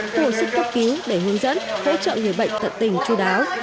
khu hội sức cấp cứu để hướng dẫn hỗ trợ người bệnh thận tình chú đáo